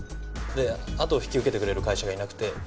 で後を引き受けてくれる会社がいなくて。